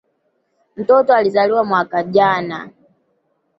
Mtoto alizaliwa mwaka jana